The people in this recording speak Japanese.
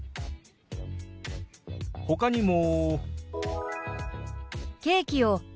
ほかにも。